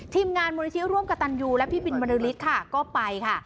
ทีมงานมูลนิธิร่วมกับตันยูและพี่บินบรรลือฤทธิ์ค่ะก็ไปค่ะ